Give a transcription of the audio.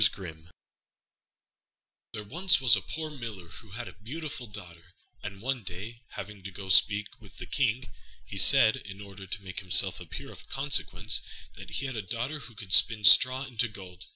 RUMPELSTILTSKIN There was once a poor Miller who had a beautiful daughter, and one day, having to go to speak with the King, he said, in order to make himself appear of consequence, that he had a daughter who could spin straw into gold.